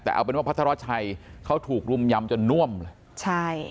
แต่เอาเป็นว่าพัทรชัยเขาถูกรุมยำจนน่วมเลยใช่